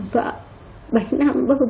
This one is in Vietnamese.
vợ bảy năm